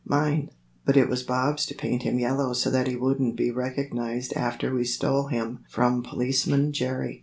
"Mine. But it was Bob's to paint him yellow so that he wouldn't be recognized after we stole him from Policeman Jerry.